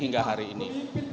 hingga hari ini